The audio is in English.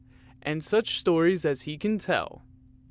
And such stories as he can tell